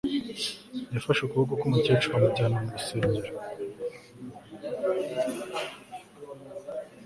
Yafashe ukuboko kumukecuru amujyana mu rusengero